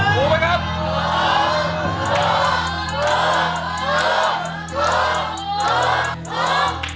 ถูกไหมครับ